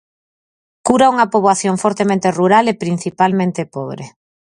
Cura a unha poboación fortemente rural e, principalmente, pobre.